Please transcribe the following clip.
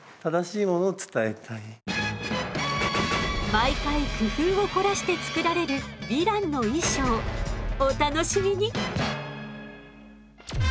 毎回工夫を凝らして作られるヴィランの衣装お楽しみに！